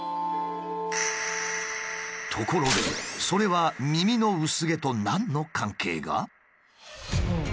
ところでそれは耳の薄毛と何の関係が？